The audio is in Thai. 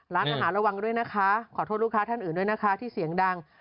ร้านอาหารระวังด้วยนะคะขอโทษลูกค้าท่านอื่นด้วยนะคะที่เสียงดัง